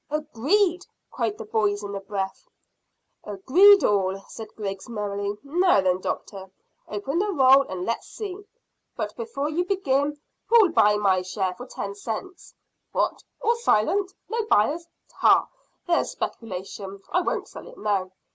"Agreed," cried the boys, in a breath. "Agreed all," cried Griggs merrily. "Now then, doctor, open the roll and let's see; but before you begin, who'll buy my share for ten cents? What, all silent? No buyers? Tchah! There's speculation! I won't sell it now.